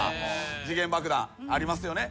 時限爆弾ありますよね。